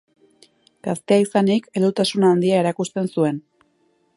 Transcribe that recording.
Gaztea izanik, heldutasun handia erakusten zuen.